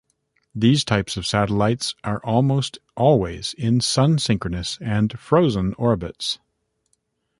These types of satellites are almost always in Sun synchronous and "frozen" orbits.